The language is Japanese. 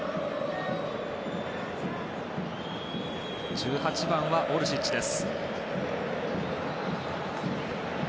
１８番はオルシッチです。